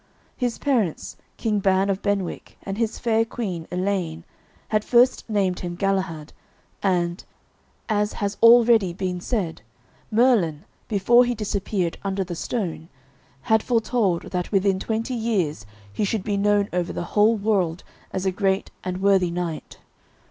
His parents, King Ban of Benwick and his fair queen, Elaine, had first named him Galahad, and, as has already been said, Merlin, before he disappeared under the stone, had foretold that within twenty years he should be known over the whole world as a great and worthy knight.